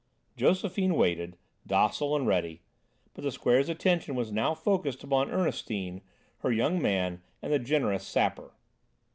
Josephine waited, docile and ready, but the Square's attention was now focussed upon Ernestine, her young man and the generous Sapper.